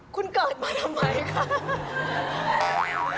คุณเกิดมาทำไมคะ